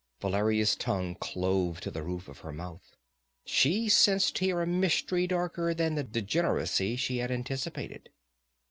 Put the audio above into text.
Valeria's tongue clove to the roof of her mouth. She sensed here a mystery darker than the degeneracy she had anticipated.